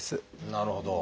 なるほど。